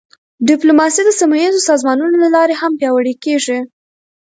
ډیپلوماسي د سیمهییزو سازمانونو له لارې هم پیاوړې کېږي.